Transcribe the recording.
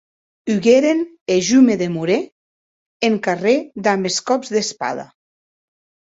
Hugeren, e jo me demorè en carrèr damb es còps d'espada.